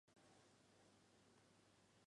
但是他并没有打着正义的名号。